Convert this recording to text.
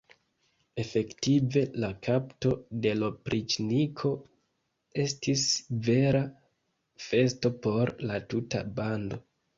Efektive, la kapto de l' opriĉniko estis vera festo por la tuta bando.